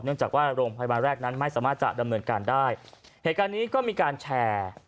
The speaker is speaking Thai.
จากว่าโรงพยาบาลแรกนั้นไม่สามารถจะดำเนินการได้เหตุการณ์นี้ก็มีการแชร์